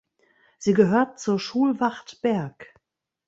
Sie gehört zur Schulwacht Berg.